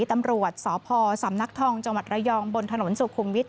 ตำรวจสพสำนักทองจังหวัดระยองบนถนนสุขุมวิทย